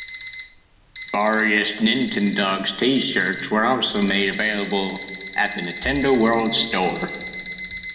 Various "Nintendogs" T-shirts were also made available at the Nintendo World Store.